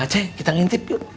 ke rumah aceh kita ngintip yuk